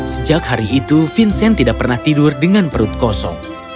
sejak hari itu vincent tidak pernah tidur dengan perut kosong